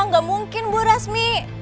gak mungkin bu resmi